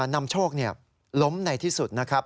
นำโชคล้มในที่สุดนะครับ